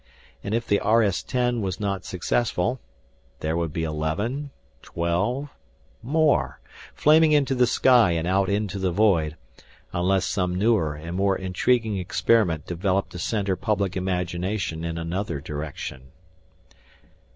And if the RS 10 was not successful, there would be 11, 12, more flaming into the sky and out into the void, unless some newer and more intriguing experiment developed to center public imagination in another direction.